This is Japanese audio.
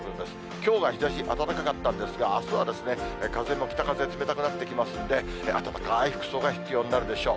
きょうは日ざし、暖かかったんですが、あすは風も北風、冷たくなってきますんで、暖かーい服装が必要になるでしょう。